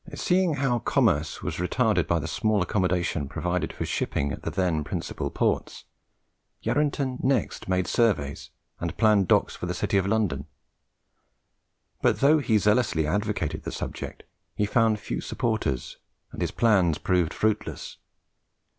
Seeing how commerce was retarded by the small accommodation provided for shipping at the then principal ports, Yarranton next made surveys and planned docks for the city of London; but though he zealously advocated the subject, he found few supporters, and his plans proved fruitless.